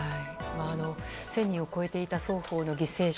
１０００人を超えていた双方の犠牲者